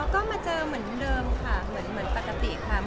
ก็มาเจอเหมือนเดิมค่ะเหมือนปกติค่ะ